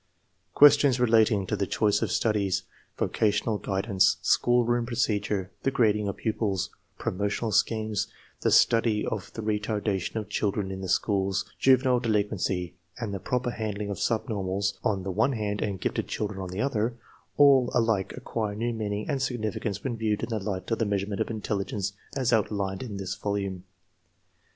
Questions relating to the choice of studies, vocational guidance, schoolroom proced viii EDITOR'S INTRODUCTION ure, the grading of pupils, promotional schemes, the study of the retardation of children in the schools, juvenile delin quency, and the proper handling of subnormals on the one hand and gifted children on the other, all alike acquire new meaning and significance when viewed in the light of the measurement of intelligence as outlined in this volume.